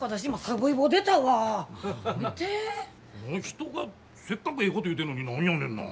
人がせっかくええこと言うてんのに何やねんな。